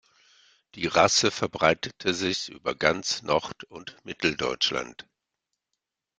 Die Rasse verbreitete sich über ganz Nord- und Mitteldeutschland.